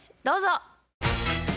どうぞ。